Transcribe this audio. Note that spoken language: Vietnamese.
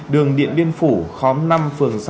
đường điện biên phủ khóm năm phường sáu